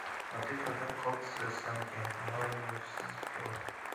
ھەقىقەتەن قالتىس رەسسامكەن، ناھايىتى ياخشى سىزىپتۇ.